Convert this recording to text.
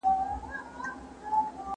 امیر دوست محمد خان له خپلو وروڼو سره و.